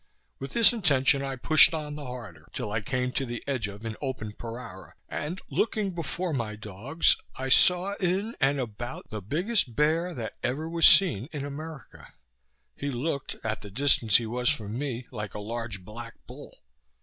With this intention I pushed on the harder, till I came to the edge of an open parara, and looking on before my dogs, I saw in and about the biggest bear that ever was seen in America. He looked, at the distance he was from me, like a large black bull.